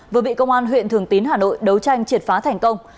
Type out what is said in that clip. vừa bị công an huyện thường tín hà nội đấu tranh triệt phá thành công